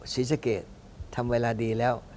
อ่อศิริสเกตทำเวลาดีแล้ว